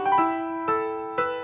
sampai jumpa lagi